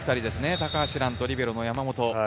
高橋藍とリベロの山本。